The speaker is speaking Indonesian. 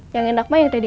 yang enak mah yang terbaik